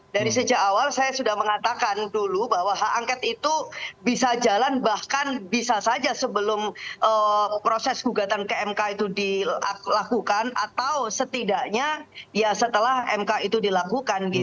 dari sejak awal saya sudah mengatakan dulu bahwa hak angket itu bisa jalan bahkan bisa saja sebelum proses gugatan ke mk itu dilakukan atau setidaknya ya setelah mk itu dilakukan